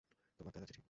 তোমার দাদার চিঠি।